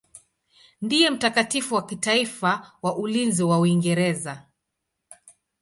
Ndiye mtakatifu wa kitaifa wa ulinzi wa Uingereza.